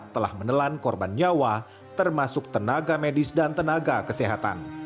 telah menelan korban nyawa termasuk tenaga medis dan tenaga kesehatan